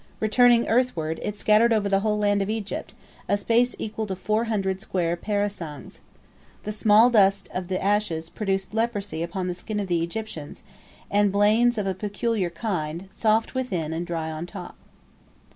Returning earthward, it scattered over the whole land of Egypt, a space equal to four hundred square parasangs. The small dust of the ashes produced leprosy upon the skin of the Egyptians, and blains of a peculiar kind, soft within and dry on top.